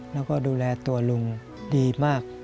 แล้วก็ดูแลตัวลุงดีมาก